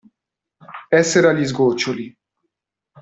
Essere agli sgoccioli.